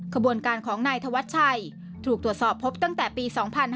ขบวนการของนายธวัชชัยถูกตรวจสอบพบตั้งแต่ปี๒๕๕๙